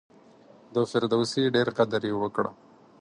د فردوسي ډېر قدر یې وکړ.